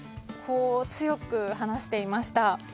こう強く話していました。